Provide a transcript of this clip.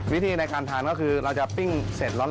วิธีในการทานก็คือเราจะปิ้งเสร็จร้อน